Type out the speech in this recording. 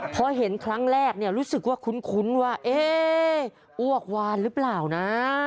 เพราะเห็นครั้งแรกรู้สึกว่าคุ้นว่าเอ๊อวกหวานหรือเปล่านะ